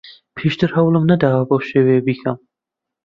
پێشتر هەوڵم نەداوە بەو شێوەیە بیکەم.